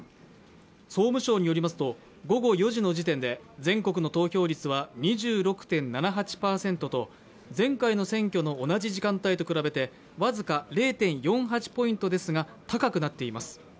総務省によりますと、午後４時の時点で全国の投票率は２６．７８％と前回の選挙の同じ時間帯と比べて僅か０．４８ポイントですが高くなっています。